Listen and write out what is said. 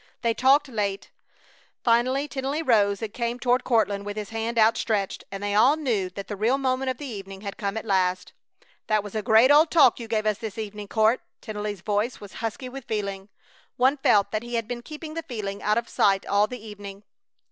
They talked late. Finally, Tennelly rose and came toward Courtland, with his hand outstretched, and they all knew that the real moment of the evening had come at last: "That was a great old talk you gave us this evening, Court!" Tennelly's voice was husky with feeling. One felt that he had been keeping the feeling out of sight all the evening.